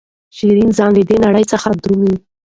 شیرین ځان له دې نړۍ څخه درومي.